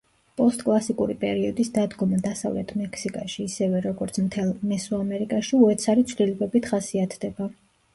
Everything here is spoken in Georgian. პოსტკლასიკური პერიოდის დადგომა დასავლეთ მექსიკაში, ისევე როგორც მთელ მესოამერიკაში, უეცარი ცვლილებებით ხასიათდება.